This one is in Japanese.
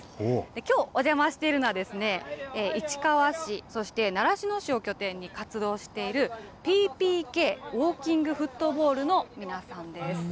きょうお邪魔しているのはですね、市川市、そして習志野市を拠点に活動しているＰＰＫウォーキングフットボールの皆さんです。